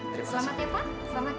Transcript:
selamat ya pak selamat deh